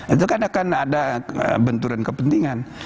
itu kan akan ada benturan kepentingan